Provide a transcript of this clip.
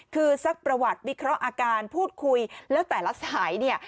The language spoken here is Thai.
คือซักประวัติวิเคราะห์อาการพูดคุยแล้วแต่ละสายเนี่ย